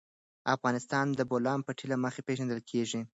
افغانستان د د بولان پټي له مخې پېژندل کېږي.